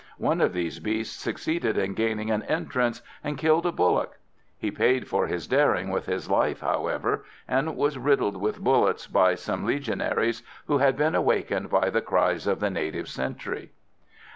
One of these beasts succeeded in gaining an entrance, and killed a bullock. He paid for his daring with his life, however, and was riddled with bullets by some Legionaries who had been awakened by the cries of the native sentry.